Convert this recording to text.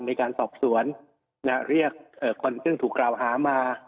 ในการสอบสวนเรียกคนซึ่งถูกกล่าวหามา